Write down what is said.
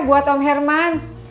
buat om herman